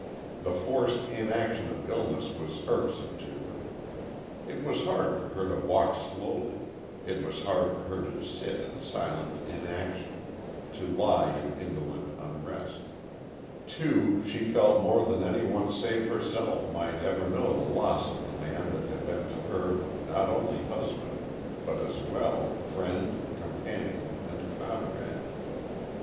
The forced inaction of illness was irksome to her. It was hard for her to walk slowly; it was hard for her to sit in silent inaction to lie in indolent unrest. Too, she felt more than anyone save herself might ever know the loss of the man that had been to her not only husband but as well friend, companion and comrade.